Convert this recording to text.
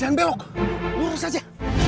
jangan belok lurus aja